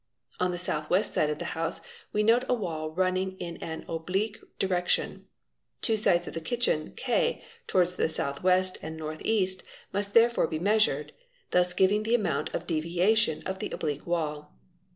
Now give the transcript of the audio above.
On the south west side of the house we note a wall running in an oblique direction. The two sides of the kitchen K towards the south west ~ and north east must therefore be measured, thus giving the amount of deviation of the oblique wall.